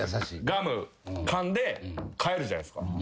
ガムかんで帰るじゃないですか。